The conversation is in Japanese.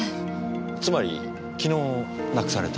つまり昨日なくされた？